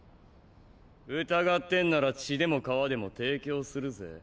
疑ってんなら血でも皮でも提供するぜ。